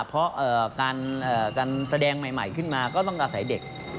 เพราะการแสดงใหม่ขึ้นมาก็ต้องอาศัยเด็ก